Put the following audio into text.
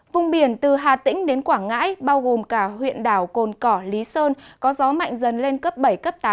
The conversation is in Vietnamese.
vùng biển từ hà tĩnh đến quảng ngãi bao gồm cả huyện đảo cồn cỏ lý sơn có gió mạnh dần lên cấp bảy cấp tám